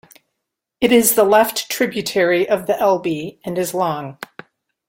It is a left tributary of the Elbe and is long.